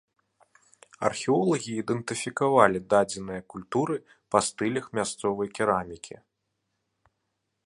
Археолагі ідэнтыфікавалі дадзеныя культуры па стылях мясцовай керамікі.